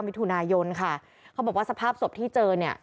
มิถุนายนค่ะเขาบอกว่าสภาพศพที่เจอเนี่ย